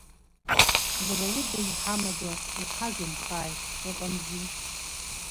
Уара уда иҳамада, уҳагымхааит, ыҟамзи!